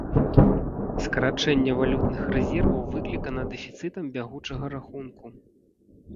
Скарачэнне валютных рэзерваў выклікана дэфіцытам бягучага рахунку.